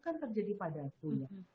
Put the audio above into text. kan terjadi padaku